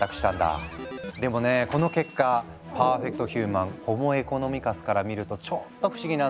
でもねこの結果パーフェクトヒューマンホモ・エコノミカスから見るとちょっと不思議なんだ。